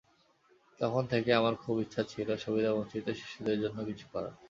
তখন থেকেই আমার খুব ইচ্ছা ছিল সুবিধাবঞ্চিত শিশুদের জন্য কিছু করার।